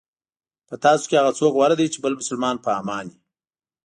په تاسو کې هغه څوک غوره دی چې بل مسلمان په امان وي.